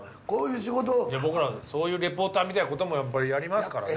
僕らそういうリポーターみたいなこともやっぱりやりますからね。